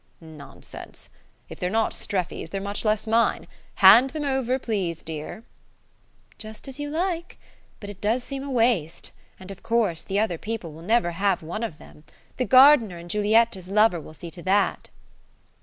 "Nonsense. If they're not Streffy's they're much less mine. Hand them over, please, dear." "Just as you like. But it does seem a waste; and, of course, the other people will never have one of them.... The gardener and Giulietta's lover will see to that!"